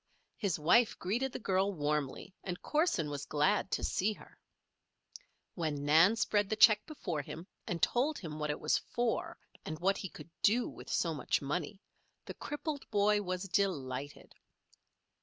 His wife greeted the girl warmly, and Corson was glad to see her. When Nan spread the check before him and told him what it was for, and what he could do with so much money, the crippled boy was delighted.